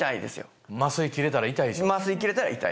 麻酔切れたら痛いです。